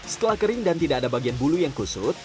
setelah kering dan tidak ada bagian bulu yang kusut